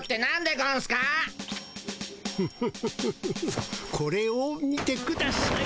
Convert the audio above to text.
フフフフフフッこれを見てください。